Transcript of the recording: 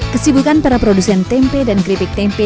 kesibukan para produsen tempe dan keripik tempe